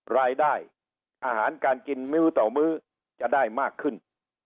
รายได้อาหารการกินมื้อต่อมื้อจะได้มากขึ้น